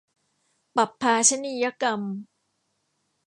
ปัพพาชนียกรรม